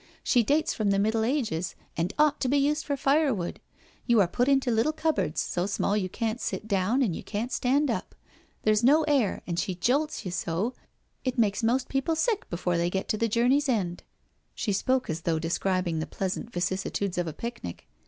" She dates from the Middle Ages, and ought to be used for firewood. You are put into little cupboards, so small you can't sit down and you can't stand up. There's no air, and she jolts you so, it makes most people sick before they get to the journey's end." She spoke as though describing the pleasant vicissitudes of a picnic.